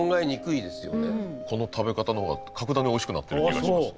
この食べ方の方が格段においしくなってる気がします。